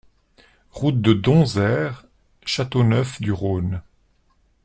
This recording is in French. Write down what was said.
Route de Donzère, Châteauneuf-du-Rhône